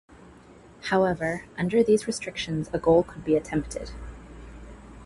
However, under these restrictions a goal could be attempted.